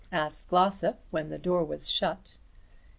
asked Glossop when the door was shut.